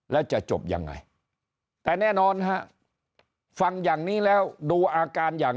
แล้วจะจบยังไงแต่แน่นอนฮะฟังอย่างนี้แล้วดูอาการอย่าง